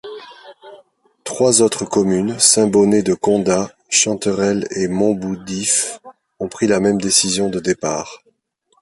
Trois autres communes, Saint-Bonnet-de-Condat, Chanterelle et Montboudif, ont pris la même décision de départ.